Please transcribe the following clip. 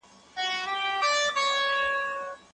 شاعر هڅه کوي لوستونکي جذب کړي.